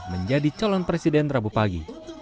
menjadi calon presiden rabu pagi